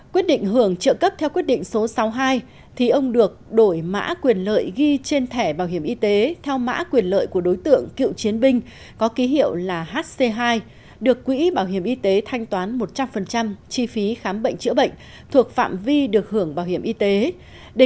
quyết định hưởng trợ cấp theo quyết định số sáu mươi hai thì ông được đổi mã quyền lợi ghi trên thẻ bảo hiểm y tế theo mã quyền lợi của đối tượng cựu chiến binh có ký hiệu là hc hai được quỹ bảo hiểm y tế thanh toán một trăm linh chi phí khám bệnh chữa bệnh thuộc phạm vi được hưởng bảo hiểm y tế